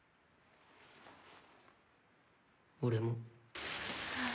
俺も。